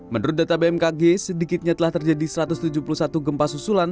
menurut data bmkg sedikitnya telah terjadi satu ratus tujuh puluh satu gempa susulan